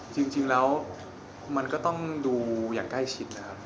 จริงแล้วมันก็ต้องดูอย่างใกล้ชิดนะครับ